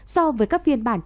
so với các phiên bản